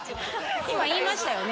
今言いましたよね？